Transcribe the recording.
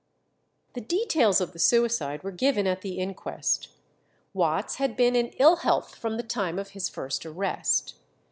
The details of the suicide were given at the inquest. Watts had been in ill health from the time of his first arrest.